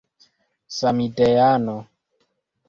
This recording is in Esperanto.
samideano